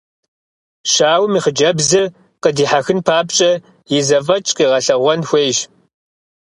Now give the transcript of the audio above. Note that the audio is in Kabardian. Щауэм и хъыджэбзыр къыдихьэхын папщӏэ и зэфӏэкӏ къигъэлъэгъуэн хуейщ.